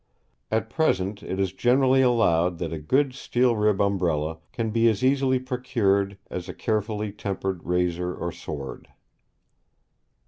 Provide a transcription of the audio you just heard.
At present, it is generally allowed that a good steel rib Umbrella can be as easily procured as a carefully tempered razor or sword.